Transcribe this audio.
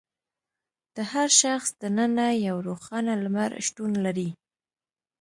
د هر شخص دننه یو روښانه لمر شتون لري.